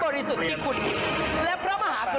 ของท่านได้เสด็จเข้ามาอยู่ในความทรงจำของคน๖๗๐ล้านคนค่ะทุกท่าน